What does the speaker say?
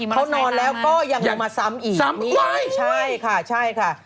เขานอนแล้วก็ยังมาซ้ำอีกใช่ค่ะใช่ค่ะ